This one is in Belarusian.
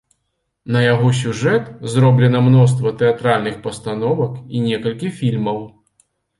На яго сюжэт зроблена мноства тэатральных пастановак і некалькі фільмаў.